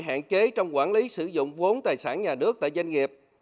hạn chế trong quản lý sử dụng vốn tài sản nhà nước tại doanh nghiệp